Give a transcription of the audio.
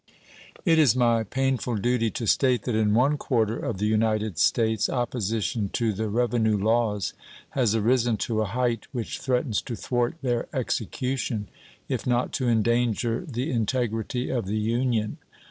It is my painful duty to state that in one quarter of the United States opposition to the revenue laws has arisen to a height which threatens to thwart their execution, if not to endanger the integrity of the Union.